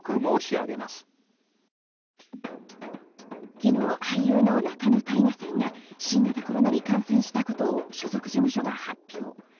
昨日、俳優の仲野太賀さんが新型コロナに感染したことを所属事務所が発表。